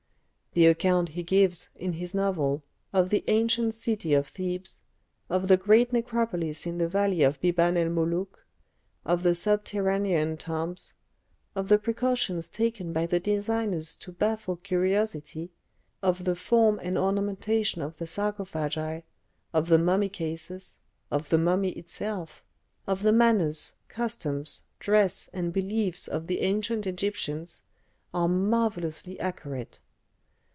The account he gives, in his novel, of the ancient city of Thebes, of the great necropolis in the valley of Biban el Molûk, of the subterranean tombs, of the precautions taken by the designers to baffle curiosity, of the form and ornamentation of the sarcophagi, of the mummy cases, of the mummy itself, of the manners, customs, dress, and beliefs of the ancient Egyptians, are marvellously accurate.